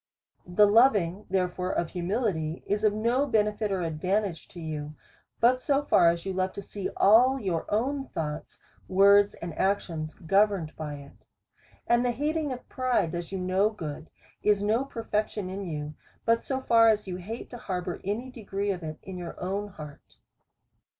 The loving therefore of humility is of no benefit or advantage to you, but so far as you love to see all your own thoughts, words, and actions, governed by it. And the hating of pride does you no good, is no per fection in you, but so far as you hate to harbour any degree of it in your own heart.